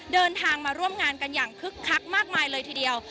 เดินทางมาร่วมงานกันอย่างคึกคักมากมายเลยทีเดียว